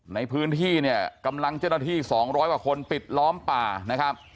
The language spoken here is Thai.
ในพื้นที่เนี่ยกำลังเจ้าหน้าที่๒๐๐กว่าคนปิดล้อมป่านะครับ